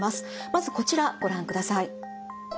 まずこちらご覧ください。